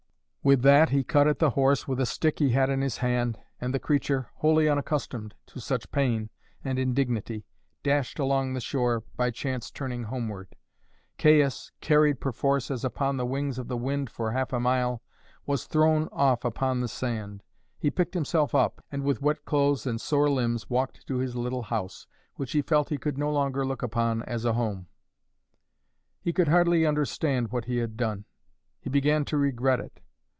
With that he cut at the horse with a stick he had in his hand, and the creature, wholly unaccustomed to such pain and indignity, dashed along the shore, by chance turning homeward. Caius, carried perforce as upon the wings of the wind for half a mile, was thrown off upon the sand. He picked himself up, and with wet clothes and sore limbs walked to his little house, which he felt he could no longer look upon as a home. He could hardly understand what he had done; he began to regret it.